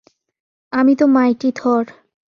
আমি তো মাইটি থর।